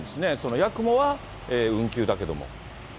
やくもは運休だけれども。